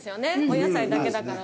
お野菜だけだから。